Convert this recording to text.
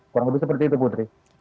kurang lebih seperti itu putri